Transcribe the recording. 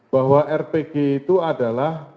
bahwa rpg itu adalah